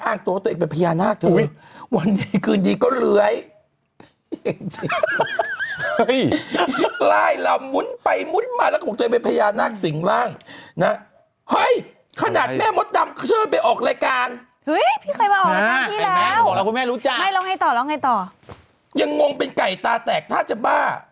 อ้างตัวตัวเองเป็นพ